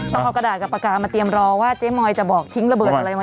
ต้องเอากระดาษกับปากกามาเตรียมรอว่าเจ๊มอยจะบอกทิ้งระเบิดอะไรไหม